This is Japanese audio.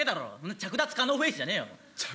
着脱可能フェイスじゃねえよちゃく？